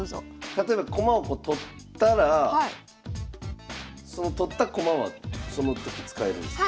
例えば駒を取ったらその取った駒はその時使えるんですか？